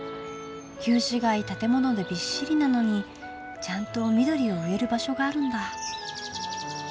旧市街建物でびっしりなのにちゃんと緑を植える場所があるんだ。